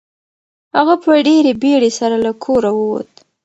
هغه په ډېرې بیړې سره له کوره ووت.